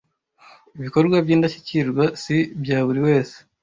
Ibikorwa byindashyikirwa si byaburi wese